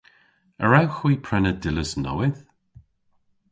A wrewgh hwi prena dillas nowydh?